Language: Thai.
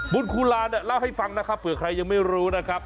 ครูลาเนี่ยเล่าให้ฟังนะครับเผื่อใครยังไม่รู้นะครับ